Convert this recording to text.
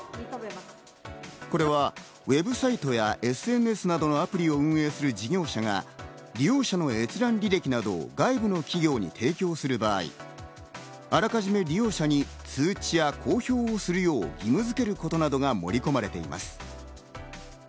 これはウェブサイトやＳＮＳなどのアプリを運営する事業者が利用者への閲覧履歴などを外部の企業に提供する場合、あらかじめ利用者に通知や公表をするよう義務づけることなどが盛り込まれています。